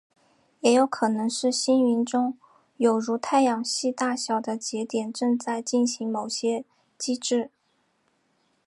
也有可能是星云中有如太阳系大小的节点正在进行某些机制。